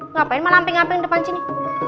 ngapain malah ngapain depan sini